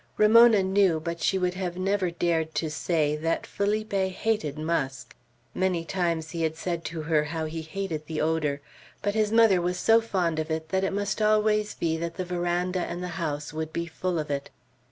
Ramona knew, but she would have never dared to say, that Felipe hated musk. Many times he had said to her how he hated the odor; but his mother was so fond of it, that it must always be that the veranda and the house would be full of it.